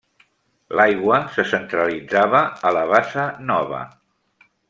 L'aigua se centralitzava a la Bassa Nova.